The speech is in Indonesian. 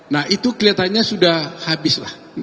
nah itu kelihatannya sudah habis lah